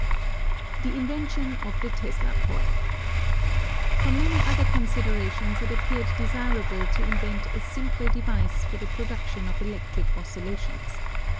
The Invention of the Tesla Coil From many other considerations it ap peared desirable to invent a simpler device for the production of electric oscillations.